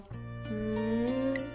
ふん。